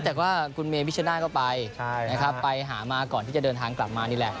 แต่ก็คุณเมย์พิชาหน้าก็ไปไปหามาก่อนที่จะเดินทางกลับมานี่แหละ